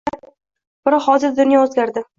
Biroq hozirda dunyo o‘zgardi